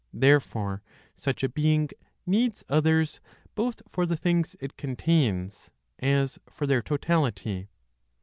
Therefore such a being needs others, both for the things it contains, as for their totality.